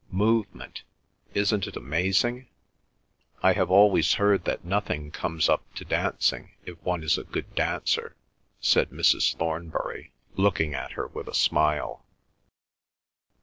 "Movement—isn't it amazing?" "I have always heard that nothing comes up to dancing if one is a good dancer," said Mrs. Thornbury, looking at her with a smile.